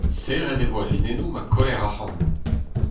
Serret e vo al linennoù ma koller arc'hant.